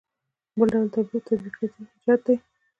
بل ډول یې تطبیقي ایجاد دی.